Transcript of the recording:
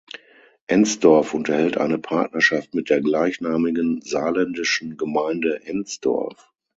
Ensdorf unterhält eine Partnerschaft mit der gleichnamigen saarländischen Gemeinde Ensdorf.